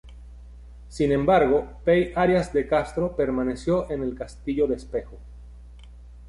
Sin embargo, Pay Arias de Castro permaneció en el castillo de Espejo.